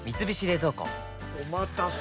おまたせ！